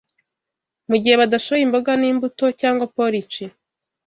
mu gihe badashoboye imboga n’ imbuto cyangwa porici